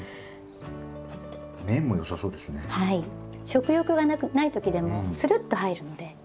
食欲がない時でもするっと入るので。